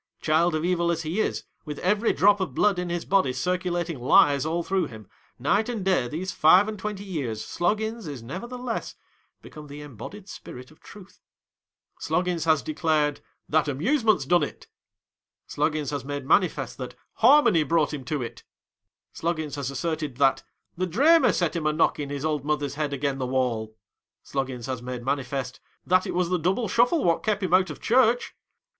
Child of evil as he is, with every drop of blood in his body circulating lies all through him, night and day these five ami twenty years, Slog ins is nevertheless be come the embodied spirit of Truth. Slop gins has declared "that Amusements < Sloggius has made manifest that "Harmony HOUSEHOLD WOEDS. [Conducted fty brought him to it." Sloggins has asserted that " the draynier set him a nockin his old mother's head again the wall." Slog gins has made manifest " that it was the double shuffle wot kep him out of church."